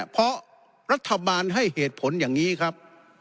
เพราะรัฐบาลให้เหตุผลอย่างนี้ครับ